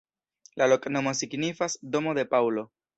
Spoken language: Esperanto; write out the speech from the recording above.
La loknomo signifas: domo de Paŭlo.